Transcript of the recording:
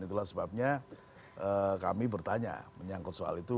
itulah sebabnya kami bertanya menyangkut soal itu